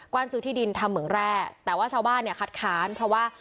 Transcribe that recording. ว่านซื้อที่ดินทำเหมืองแร่แต่ว่าชาวบ้านเนี่ยคัดค้านเพราะว่า